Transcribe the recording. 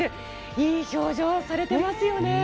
いい表情をされてますよね。